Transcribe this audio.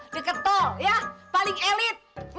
deket tol ya paling elit